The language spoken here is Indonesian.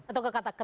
atau ketakutan ya